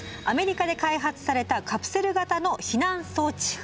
アメリカで開発されたカプセル型の避難装置です。